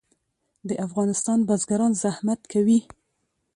د افغانستان بزګران زحمت کوي